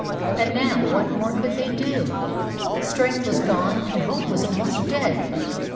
And now what more could they do? Strength was gone, and hope was almost dead.